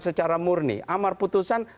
secara murni amar putusan